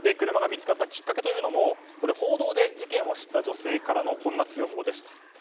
車が見つかったきっかけというのも報道で事件を知った女性からのこんな通報でした。